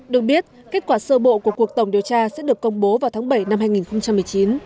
được biết kết quả sơ bộ của cuộc tổng điều tra sẽ được công bố vào tháng bảy năm hai nghìn một mươi chín